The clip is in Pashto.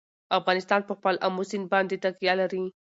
افغانستان په خپل آمو سیند باندې تکیه لري.